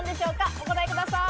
お答えください。